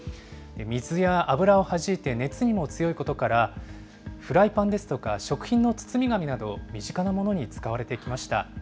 水や油をはじいて熱にも強いことから、フライパンですとか食品の包み紙など、身近なものに使われてきました。